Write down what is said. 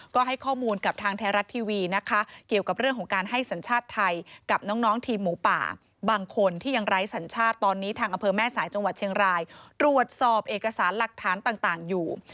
ก็ให้ข้อมูลกับทางไทยรัฐทีวีนะคะเกี่ยวกับเรื่องของการให้สัญชาติไทยกับน้องทีมหมูป่าบางคนที่ยังไร้สัญชาติตอนนี้ทางอำเภอแม่สายจังหวัดเชียงรายตรวจสอบเอกสารหลักฐานต่างอยู่